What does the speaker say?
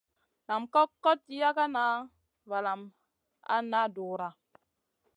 Nam ka kot yagana valam a na dura.